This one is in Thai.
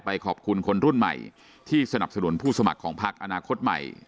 ขอบคุณคนรุ่นใหม่ที่สนับสนุนผู้สมัครของพักอนาคตใหม่